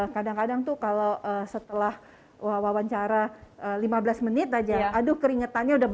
kadang kadang tuh kalau setelah wawancara lima belas menit aja aduh keringetannya udah berat